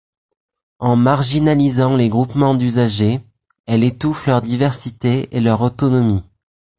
En marginalisant les groupements d'usagers, elle étouffe leur diversité et leur autonomie.